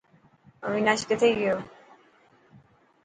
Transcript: اويناش ڪٿي گيو.